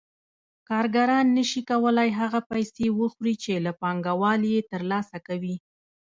کارګران نشي کولای هغه پیسې وخوري چې له پانګوال یې ترلاسه کوي